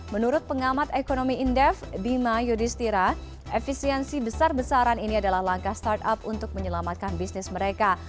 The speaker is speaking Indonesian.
menurut pengamat ekonomi indef bima yudhistira efisiensi besar besaran ini adalah langkah startup untuk menyelamatkan bisnis mereka